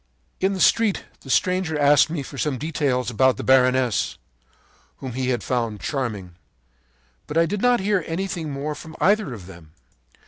“In the street the stranger asked me for some details about the baroness, whom he had found charming. But I did not hear anything more from either of them.